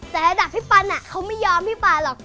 แต่ระดับพี่ฟันเขาไม่ยอมพี่ฟันหรอก